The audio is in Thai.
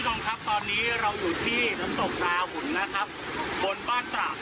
คุณผู้ชมครับตอนนี้เราอยู่ที่น้ำตกนาหุ่นนะครับบนบ้านตระ